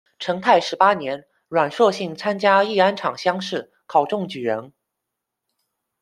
成泰十八年，阮硕性参加乂安场乡试，考中举人。